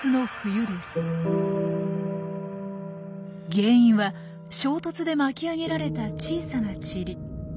原因は衝突で巻き上げられた小さなチリ。